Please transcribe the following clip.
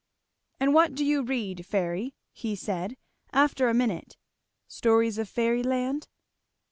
"And what do you read, Fairy?" he said after a minute; "stories of fairy land?"